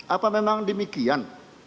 apa memang demikian